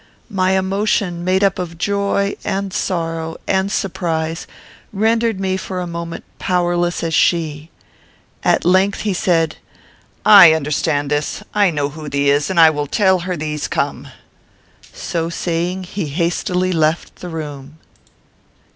My emotion, made up of joy, and sorrow, and surprise, rendered me for a moment powerless as she. At length he said, "I understand this. I know who thee is, and will tell her thee's come." So saying, he hastily left the room.